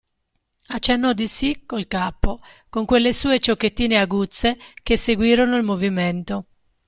Accennò di sì, col capo, con quelle sue ciocchettine aguzze, che seguirono il movimento.